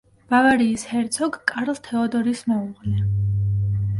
ბავარიის ჰერცოგ კარლ თეოდორის მეუღლე.